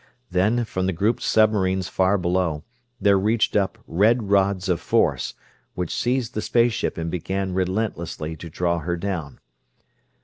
Then, from the grouped submarines far below, there reached up red rods of force, which seized the space ship and began relentlessly to draw her down.